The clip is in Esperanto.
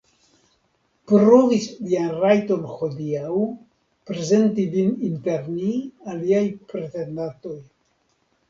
Pruvis vian rajton hodiaŭ, prezenti vin inter ni aliaj pretendantoj.